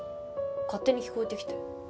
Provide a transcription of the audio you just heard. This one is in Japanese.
勝手に聞こえてきて。